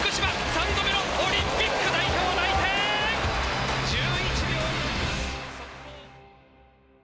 ３度目のオリンピック代表内定！